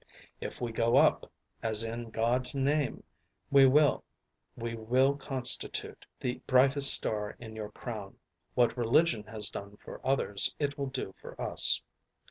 If we go up, as in God's name we will, we will constitute the brightest star in your crown. What religion has done for others, it will do for us.